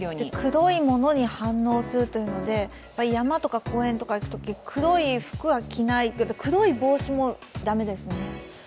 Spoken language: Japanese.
黒いものに反応するというので山や公園にいくときは黒い服は着ない、黒い帽子も駄目ですよね。